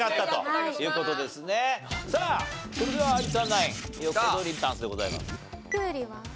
さあそれでは有田ナイン横取りチャンスでございます。